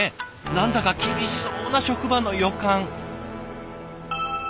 何だか厳しそうな職場の予感。